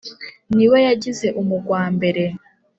Ni we yagize umugwambere: